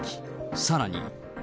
さらに。